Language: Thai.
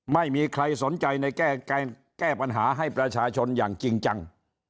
ไม่มีใครสนใจในแก้ปัญหาให้ประชาชนอย่างจริงจัง